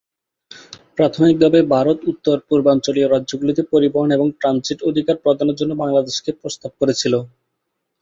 প্রাথমিকভাবে ভারত উত্তর-পূর্বাঞ্চলীয় রাজ্যগুলিতে পরিবহন এবং ট্রানজিট অধিকার প্রদানের জন্য বাংলাদেশকে প্রস্তাব করেছিল।